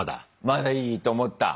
まだいいと思った？